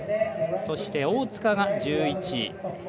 そして、大塚が１１位。